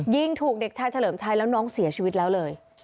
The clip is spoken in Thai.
ยิงถูกเด็กชายเฉลิมชัยแล้วน้องเสียชีวิตแล้วเลย